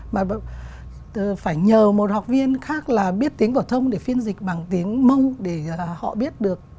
mà phải nhờ một học viên khác là biết tiếng phổ thông để phiên dịch bằng tiếng mông để họ biết được